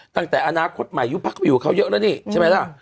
ตั้งแต่อนาคตใหม่ยุบพักก็ไปอยู่กับเขาเยอะแล้วนี่ใช่ไหมล่ะ